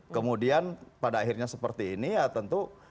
kemudian pada akhirnya seperti ini ya tentu